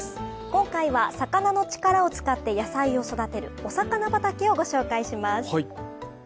今回は、魚の力を使って野菜を育てるおさかな畑をご紹介します。